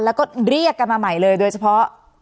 แล้วก็เรียกกันมาใหม่เลยโดยเฉพาะ